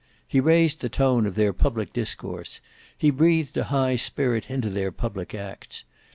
He raised the tone of their public discourse; he breathed a high spirit into their public acts.